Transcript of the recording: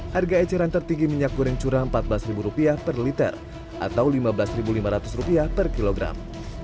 harga eceran tertinggi minyak goreng curah rp empat belas per liter atau rp lima belas lima ratus per kilogram